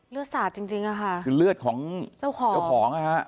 เลือดสาดจริงค่ะคือเลือดของเจ้าของนะคะ